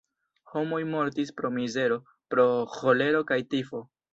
Homoj mortis pro mizero, pro ĥolero kaj tifo.